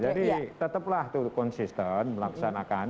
jadi tetaplah itu konsisten melaksanakan